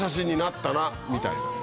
みたいな。